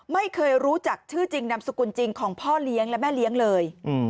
ไม่เคยรู้จักชื่อจริงนามสกุลจริงของพ่อเลี้ยงและแม่เลี้ยงเลย